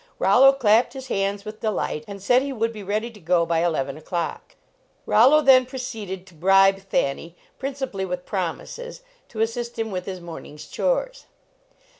Rollo clapped his hands with delight, and said he would be ready to go by eleven o clock. 77 LEARNING TO TRAVEL Rollo then proceeded to bribe Thanny, principally with promises, to assist him with his morning s chores.